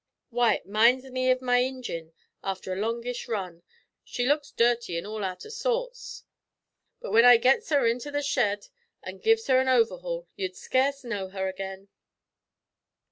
W'y, it minds me o' my ingine after a longish run; she looks dirty an' all out o' sorts; but w'en I gits her into the shed, and gives her an overhaul, you'd scarce know 'er again."